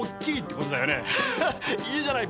いいじゃない。